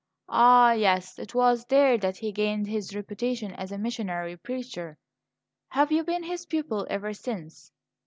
"Ah, yes! It was there that he gained his reputation as a missionary preacher. Have you been his pupil ever since?"